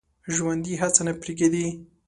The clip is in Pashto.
ژوندي هڅه نه پرېږدي